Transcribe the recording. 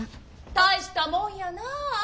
大したもんやなあ。